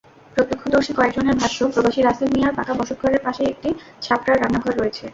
প্রত্যক্ষদর্শী কয়েকজনের ভাষ্য, প্রবাসী রাসেল মিয়ার পাকা বসতঘরের পাশেই একটি ছাপড়া রান্নাঘর রয়েছে।